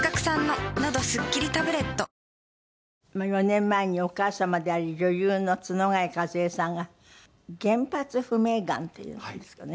４年前にお母様であり女優の角替和枝さんが原発不明がんっていうんですよね。